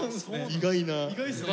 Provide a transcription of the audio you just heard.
意外な。ね。